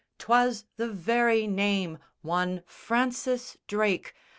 'Twas the very name, One Francis Drake!